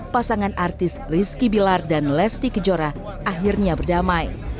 pasangan artis rizky bilar dan lesti kejora akhirnya berdamai